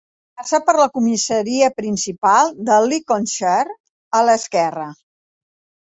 Passa per la comissaria principal de Lincolnshire a l"esquerra.